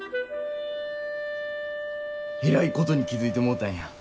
えらいことに気付いてもうたんや。